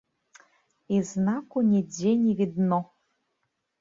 І знаку нідзе не відно.